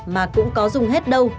mà cũng có dùng hết đâu